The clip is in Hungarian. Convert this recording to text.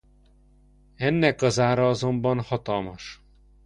Ennek az ára azonban hatalmas.